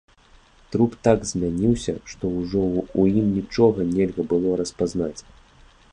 Труп так змяніўся, што ўжо ў ім нічога нельга было распазнаць.